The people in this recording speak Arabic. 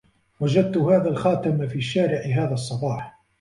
وجدت هذا الخاتم في الشارع هذا الصباح